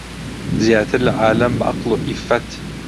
زیاتر لە عالەم بە عەقڵ و عیففەت